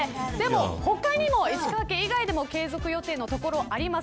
でも、他にも石川県以外でも継続予定のところあります。